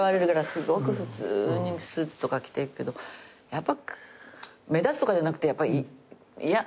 すごく普通にスーツとか着ていくけど目立つとかじゃなくてやっぱり嫌。